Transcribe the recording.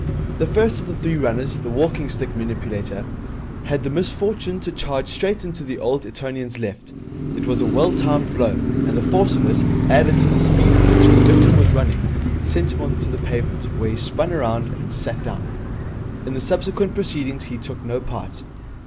The first of the three runners, the walking stick manipulator, had the misfortune to charge straight into the old Etonian's left. It was a well timed blow, and the force of it, added to the speed at which the victim was running, sent him on to the pavement, where he spun round and sat down. In the subsequent proceedings he took no part.